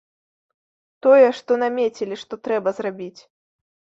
Тое, што намецілі, што трэба зрабіць.